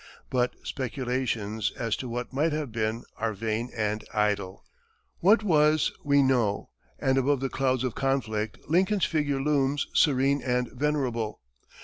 But speculations as to what might have been are vain and idle. What was, we know; and above the clouds of conflict, Lincoln's figure looms, serene and venerable.